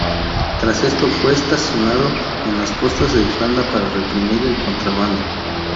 Tras esto, fue estacionado en las costas de Irlanda para reprimir el contrabando.